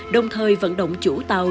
đồng thời vận động chủ tàu